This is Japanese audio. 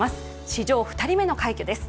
史上２人目の快挙です。